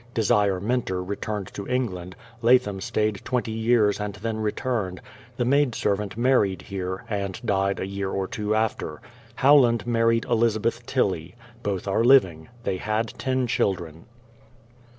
Desire Minter returned to England ; Latham stayed twenty years and then returned ; the maid servant married here, and died a year or two after. Howland married Elizabeth Tillie. Both are living. They had ten children.